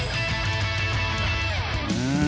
うん。